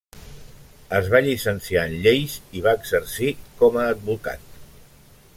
Es va llicenciar en lleis i va exercir com a advocat.